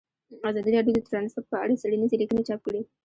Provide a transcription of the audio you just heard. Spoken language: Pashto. ازادي راډیو د ترانسپورټ په اړه څېړنیزې لیکنې چاپ کړي.